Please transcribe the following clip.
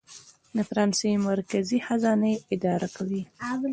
د فرانسې مرکزي خزانه یې اداره کوي.